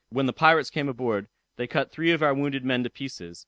When the pirates came aboard, they cut three of our wounded men to pieces.